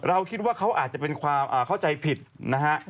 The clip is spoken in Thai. คิดว่าเขาอาจจะเป็นความเข้าใจผิดนะฮะ